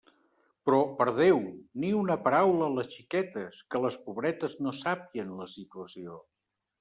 Però, per Déu!, ni una paraula a les xiquetes; que les pobretes no sàpien la situació.